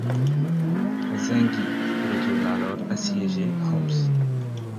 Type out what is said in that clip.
Zengi retourne alors assiéger Homs.